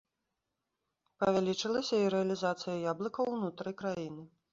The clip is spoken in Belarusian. Павялічылася і рэалізацыя яблыкаў ўнутры краіны.